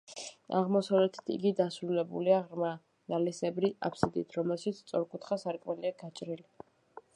აღმოსავლეთით იგი დასრულებულია ღრმა, ნალისებრი აფსიდით, რომელშიც სწორკუთხა სარკმელია გაჭრილი.